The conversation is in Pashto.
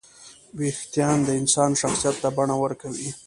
وېښتيان د انسان شخصیت ته بڼه ورکوي.